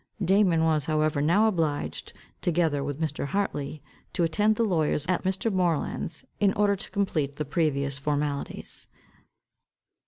Damon was however now obliged, together with Mr. Hartley, to attend the lawyers at Mr. Moreland's, in order to complete the previous formalities.